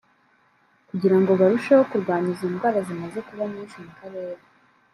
kugira ngo barusheho kurwanya izo ndwara zimaze kuba nyinshi mu Karere